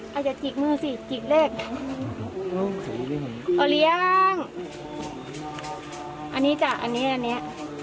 อาจจะจิกมือสิจิกแรกเอาเลี้ยงอันนี้จ้ะอันนี้อันเนี้ย